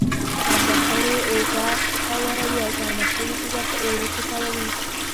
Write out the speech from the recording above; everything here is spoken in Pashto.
لمده کړې اوړه اواروي او ګرمه شوې تیږه په اوړو کې تاووي.